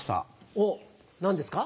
おっ何ですか？